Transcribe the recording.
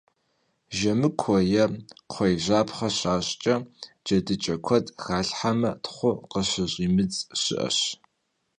Жэмыкуэ е кхъуейжьапхъэ щащӏкӏэ джэдыкӏэ куэд халъхьэмэ, тхъу къыщыщӏимыдз щыӏэщ.